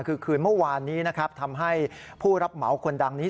คือคืนเมื่อวานนี้นะครับทำให้ผู้รับเหมาคนดังนี้